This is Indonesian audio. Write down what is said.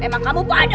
memang kamu padas